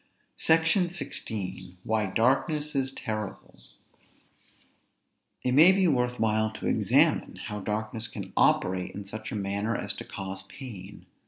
SECTION XVI. WHY DARKNESS IS TERRIBLE. It may be worth while to examine how darkness can operate in such a manner as to cause pain.